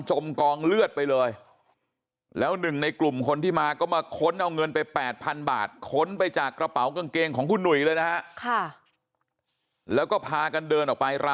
จมกองเลือดไปเลยแล้วหนึ่งในกลุ่มคนที่มาก็มาค้นเอาเงิน